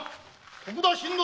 徳田新之助